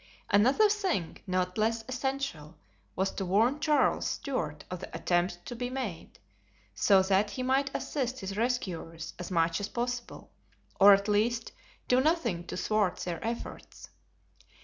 Another thing, not less essential, was to warn Charles Stuart of the attempt to be made, so that he might assist his rescuers as much as possible, or at least do nothing to thwart their efforts.